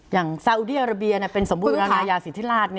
อย่างซาอุดีอาราเบียเป็นสมบูรณายาสิทธิราช